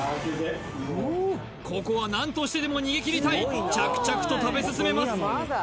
ここは何としてでも逃げ切りたい着々と食べ進めます